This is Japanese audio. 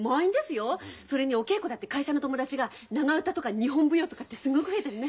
それにお稽古だって会社の友達が長唄とか日本舞踊とかってすごく増えてるね。